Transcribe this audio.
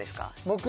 僕？